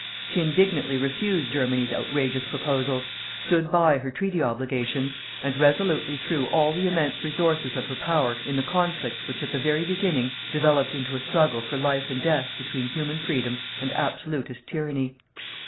She indignantly refused Germany's outrageous proposals, stood by her treaty obligations, and resolutely threw all the immense resources of her power in the conflict which, at the very beginning, developed into a struggle for life and death between human freedom and absolutist tyranny.